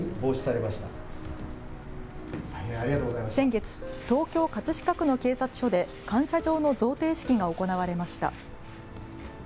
先月、東京・葛飾区の警察署で感謝状の贈呈式が行われました。